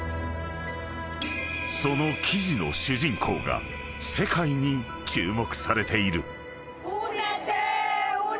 ［その記事の主人公が世界に注目されている］